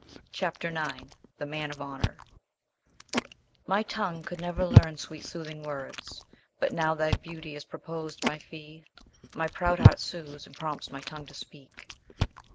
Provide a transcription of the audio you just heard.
CHAPTER IX THE MAN OF HONOUR "My tongue could never learn sweet soothing words, But now thy beauty is propos'd, my fee, My proud heart sues, and prompts my tongue to speak."